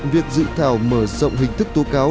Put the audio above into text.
việc dự thảo mở rộng hình thức tố cáo